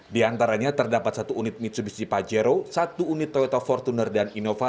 di antaranya terdapat satu unit mitsubishi pajero satu unit toyota fortuner dan inova